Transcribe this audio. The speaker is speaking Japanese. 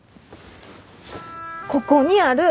ここにある！